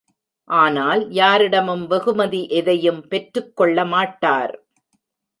ஆனால் யாரிடமும் வெகுமதி எதையும் பெற்றுக் கொள்ள மாட்டார்.